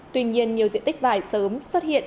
tuy nhiên nhiều diện tích vải sớm xuất hiện